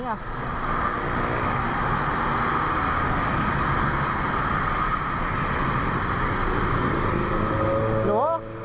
หนู